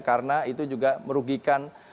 karena itu juga merugikan